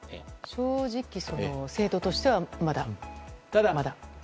正直、精度としてはまだまだ？